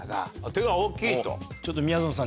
手が大きいと。